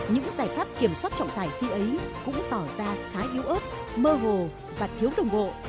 những giải pháp kiểm soát trọng tài khi ấy cũng tỏ ra khá yếu ớt mơ hồ và thiếu đồng bộ